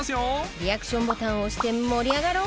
リアクションボタンを押して盛り上がろう！